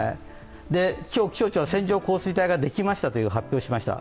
今日、気象庁は線状降水帯ができましたと発表しました。